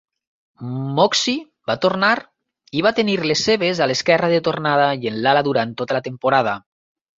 Moxey va tornar i va tenir les seves a l'esquerra de tornada i en l'ala durant tota la temporada.